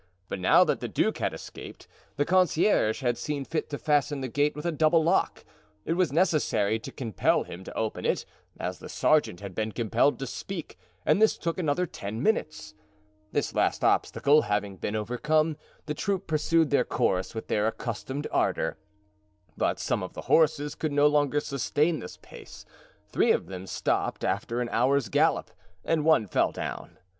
But, now that the duke had escaped, the concierge had seen fit to fasten the gate with a double lock. It was necessary to compel him to open it, as the sergeant had been compelled to speak, and this took another ten minutes. This last obstacle having been overcome, the troop pursued their course with their accustomed ardor; but some of the horses could no longer sustain this pace; three of them stopped after an hour's gallop, and one fell down.